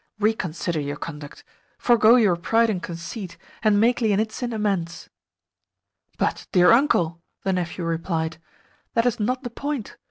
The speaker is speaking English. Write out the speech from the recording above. Reconsider your conduct forego your pride and conceit, and make Lienitsin amends." "But, dear Uncle," the nephew replied, "that is not the point.